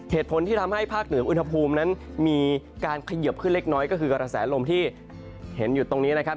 เหตุผลที่ทำให้ภาคเหนืออุณหภูมินั้นมีการเขยิบขึ้นเล็กน้อยก็คือกระแสลมที่เห็นอยู่ตรงนี้นะครับ